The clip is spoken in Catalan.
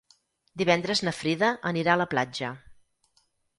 Divendres na Frida anirà a la platja.